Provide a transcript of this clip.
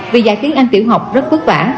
vì dạy tiếng anh tiểu học rất phức vả